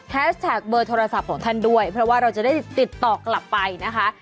แท็กเบอร์โทรศัพท์ของท่านด้วยเพราะว่าเราจะได้ติดต่อกลับไปนะคะ